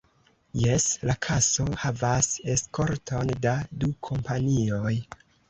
Jes: la kaso havas eskorton da du kompanioj.